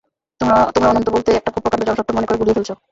তোমরা অনন্ত বলতে একটা খুব প্রকাণ্ড জড়সত্তা মনে করে গুলিয়ে ফেলছ।